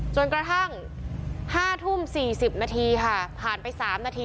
จนกระทั่งห้าทุ่มสี่สิบนาทีค่ะผ่านไปสามนาที